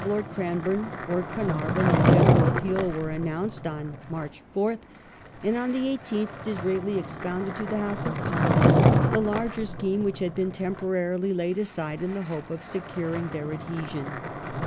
350 "THE LEAP IN THE DARK" [1865 Lord Cranborne, Lord Carnarvon, and General Peel were announced on March 4th, and on the 18th Disraeli expounded to the House of Commons the larger scheme which had been temporarily laid aside in the hope of securing their adhesion.